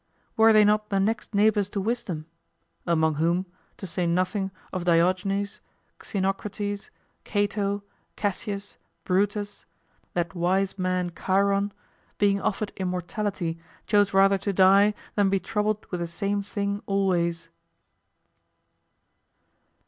Were they not the next neighbors to wisdom? among whom, to say nothing of Diogenes, Xenocrates, Cato, Cassius, Brutus, that wise man Chiron, being offered immortality, chose rather to die than be troubled with the same thing always.